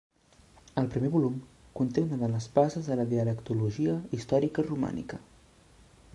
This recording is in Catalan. El primer volum conté una de les bases de la dialectologia històrica romànica.